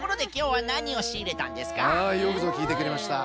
はいよくぞきいてくれました。